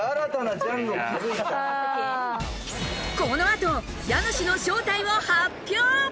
この後、家主の正体を発表。